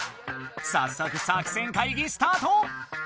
さっそく作戦会議スタート！